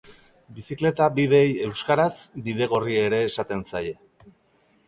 Bizikleta-bideei euskaraz bidegorri ere esaten zaie.